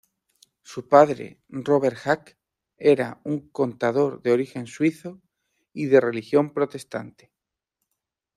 Su padre Robert Hack, era un contador de origen suizo y de religión protestante.